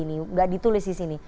nggak ditulis di sini